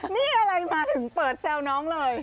นี่อะไรมาถึงเปิดแซวน้องเลย